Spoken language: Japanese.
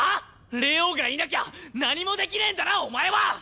玲王がいなきゃ何もできねえんだなお前は！